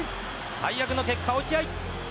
最悪の結果、落合。